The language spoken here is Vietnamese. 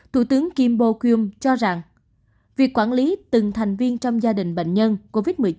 thủ tướng kim bô cyum cho rằng việc quản lý từng thành viên trong gia đình bệnh nhân covid một mươi chín